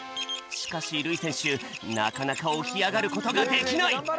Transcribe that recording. しかしるいせんしゅなかなかおきあがることができない！